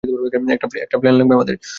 একটা প্লেন লাগবে আমাদের!